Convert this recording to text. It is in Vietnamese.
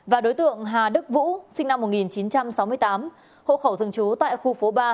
và đối tượng hà đức vũ sinh năm một nghìn chín trăm sáu mươi tám hộ khẩu thường trú tại khu phố ba